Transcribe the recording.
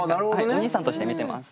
お兄さんとして見てます。